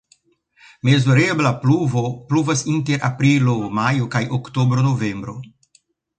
Mezurebla pluvo pluvas inter aprilo-majo kaj oktobro-novembro.